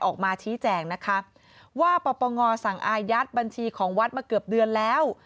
ออกมาชี้แจงนะคะว่าปปงสั่งอายัดบัญชีของวัดมาเกือบเดือนแล้ว